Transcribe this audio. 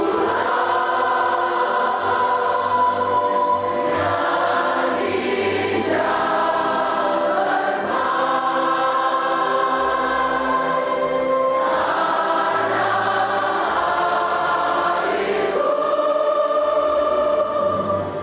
dan juga untuk bekerja di balai kota membangun suatu pemerintahan